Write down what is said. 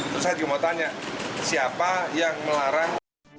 terus saya juga mau tanya siapa yang melarang